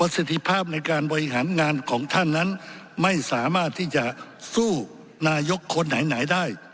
สิทธิภาพในการบริหารงานของท่านนั้นไม่สามารถที่จะสู้นายกคนไหนได้